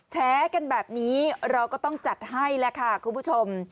แชร์กันแบบนี้เราก็ต้องจัดให้แล้วค่ะคุณผู้ชม